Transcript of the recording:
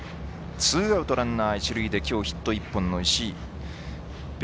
ツーアウトランナー一塁でここまできょうはヒット１本の石井。